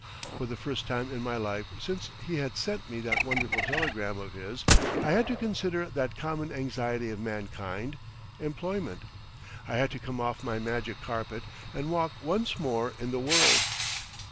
For the first time in my life since he had sent me that wonderful telegram of his I had to consider that common anxiety of mankind,—Employment. I had to come off my magic carpet and walk once more in the world.